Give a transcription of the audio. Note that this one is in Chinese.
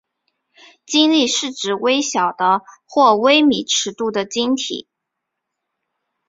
晶粒是指微小的或微米尺度的晶体。